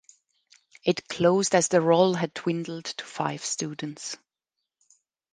It closed as the roll had dwindled to five students.